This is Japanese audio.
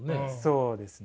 そうですね。